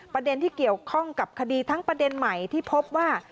ประเด็นที่เกี่ยวข้องกับคดีทั้งประเด็นใหม่ที่พบว่า